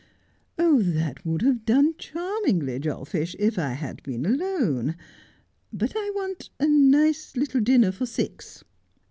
' That would have done charmingly, Jolfish, if I had been alone. But I want a nice little dinner for six.'